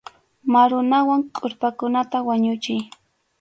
Marunawan kʼurpakunata wañuchiy.